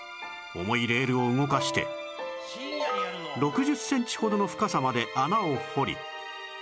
重いレールを動かして６０センチほどの深さまで穴を掘り